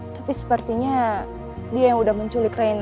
tapi sepertinya dia yang udah menculik raina